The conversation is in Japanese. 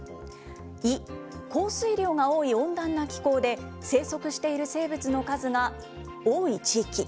イ、降水量が多い温暖な気候で、生息している生物の数が多い地域。